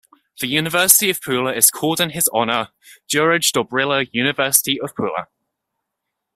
The University of Pula is called in his honour Juraj Dobrila University of Pula.